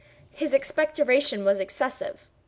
His expectoration was excessive.